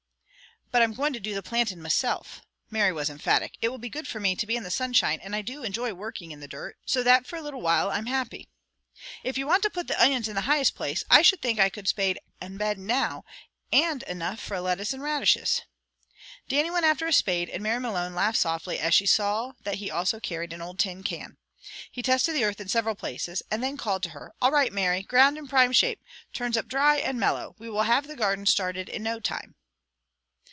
"But I'm going to do the planting mesilf," Mary was emphatic. "It will be good for me to be in the sunshine, and I do enjoy working in the dirt, so that for a little while I'm happy." "If ye want to put the onions in the highest place, I should think I could spade ane bed now, and enough fra lettuce and radishes." Dannie went after a spade, and Mary Malone laughed softly as she saw that he also carried an old tin can. He tested the earth in several places, and then called to her: "All right, Mary! Ground in prime shape. Turns up dry and mellow. We will have the garden started in no time."